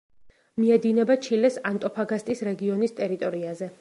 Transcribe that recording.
მიედინება ჩილეს ანტოფაგასტის რეგიონის ტერიტორიაზე.